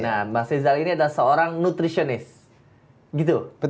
nah mas rizal ini adalah seorang nutritionist gitu